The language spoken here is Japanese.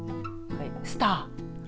スター。